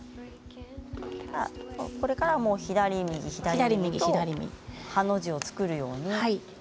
これから左右、左右とハの字を作るように。